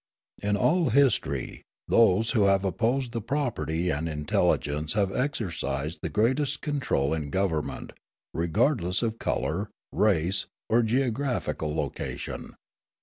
In all history, those who have possessed the property and intelligence have exercised the greatest control in government, regardless of colour, race, or geographical location.